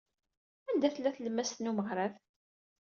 Anda tella tlemmast n umeɣrad?